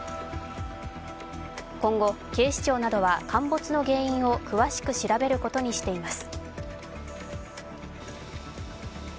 今後、警視庁などは陥没の原因を詳しく調べることにしています。